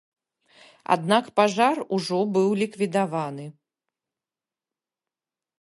Аднак пажар ужо быў ліквідаваны.